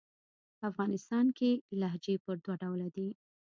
په افغانستان کښي لهجې پر دوه ډوله دي.